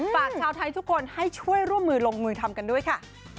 ชาวไทยทุกคนให้ช่วยร่วมมือลงมือทำกันด้วยค่ะ